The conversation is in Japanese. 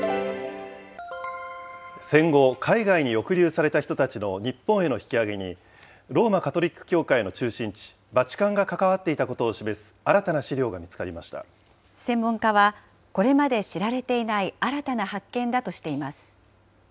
戦後、海外に抑留された人たちの日本への引き揚げに、ローマ・カトリック教会の中心地、バチカンが関わっていたことを示専門家は、これまで知られていない新たな発見だとしています。